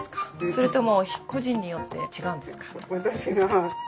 それとも個人によって違うんですか？